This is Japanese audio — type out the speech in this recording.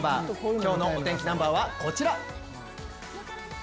今日のお天気ナンバーはこちら！